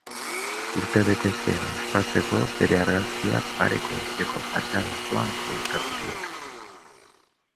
Urtebetetzea ospatzeko bere argazkia pareko etxeko fatxada osoan proiektatu diote.